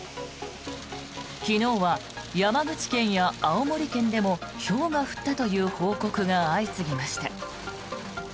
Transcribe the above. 昨日は山口県や青森県でもひょうが降ったという報告が相次ぎました。